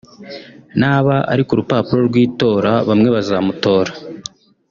naba ari ku rupapuro rw’itora bamwe bazamutora